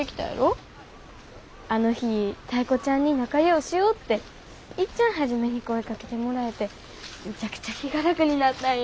あの日タイ子ちゃんに仲ようしようっていっちゃん初めに声かけてもらえてむちゃくちゃ気が楽になったんよ。